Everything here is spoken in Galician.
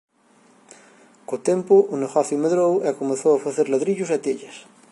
Co tempo o negocio medrou e comezou a facer ladrillos e tellas.